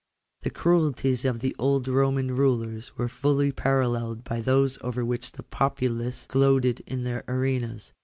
The cruelties of the old Soman rulers were fully paralleled by those over which the populace gloated in their arenas.